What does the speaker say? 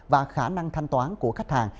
và khả năng thanh toán của khách hàng